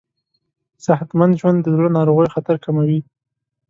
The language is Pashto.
صحتمند ژوند د زړه ناروغیو خطر کموي.